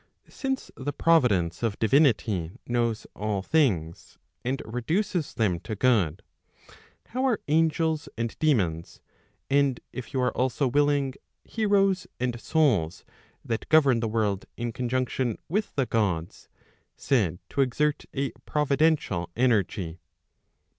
Since the providence of divinity knows all things and reduces them to good, how are angels and demons, and if you are also willing, heroes and souls that govern the world in conjunction with the Gods, said to exert a providential energy?